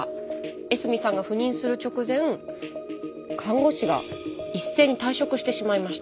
江角さんが赴任する直前看護師が一斉に退職してしまいました。